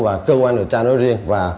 và cơ quan điều tra nói riêng